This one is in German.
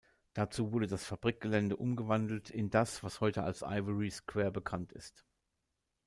Dazu wurde das Fabrikgelände umgewandelt in das, was heute als „Ivory Square“ bekannt ist.